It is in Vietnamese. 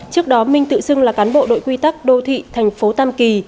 trước đó minh tự xưng là cán bộ đội quy tắc đô thị tp tam kỳ